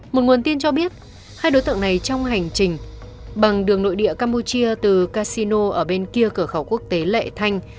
một nguồn tin cho biết hai đối tượng này trong hành trình bằng đường nội địa campuchia từ casino ở bên kia cửa khẩu quốc tế lệ thanh